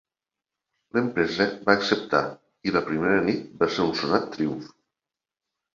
L'empresa va acceptar i la primera nit va ser un sonat triomf.